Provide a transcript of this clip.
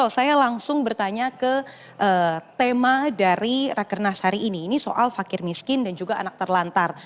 saya langsung bertanya ke tema dari rakernas hari ini ini soal fakir miskin dan juga anak terlantar